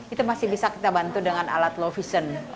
itu masih bisa kita bantu dengan alat low vision